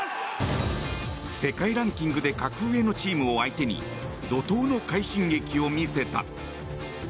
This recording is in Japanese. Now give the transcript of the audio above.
世界ランキングで格上のチームを相手に怒とうの快進撃を見せた。